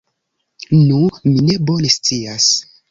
Nu, mi ne bone scias.